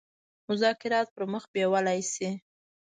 مذاکرات پر مخ بېولای سي.